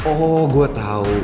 oh gue tahu